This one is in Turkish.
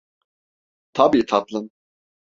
Tabii tatlım.